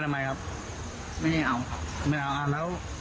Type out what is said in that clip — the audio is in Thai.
ทุกข์ขี่มา๒คนเง่ครับ